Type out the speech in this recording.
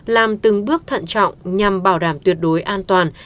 làm từng bước thận trọng nhằm bảo đảm tuyệt đối an toàn